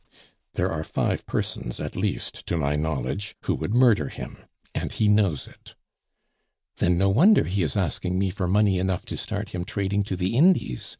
"There are five persons at least to my knowledge who would murder him, and he knows it." "Then no wonder he is asking me for money enough to start him trading to the Indies?"